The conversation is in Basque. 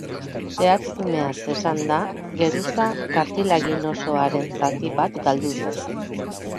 Zehatz-mehatz esanda, geruza kartilaginosoaren zati bat galdu du.